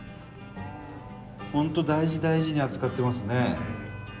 本当大事大事に扱ってますね。